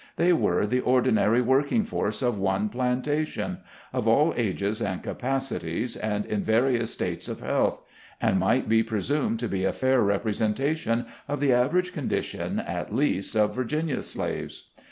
They were the ordinary working force of one plantation — of all ages and capacities, and in various states of health ; and might be pre sumed to be a fair representation of the average condition, at least, of Virginia slaves.